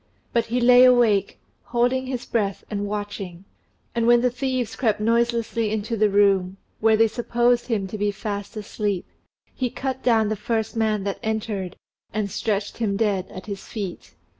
But he lay awake, holding his breath and watching; and when the thieves crept noiselessly into the room, where they supposed him to be fast asleep, he cut down the first man that entered, and stretched him dead at his feet.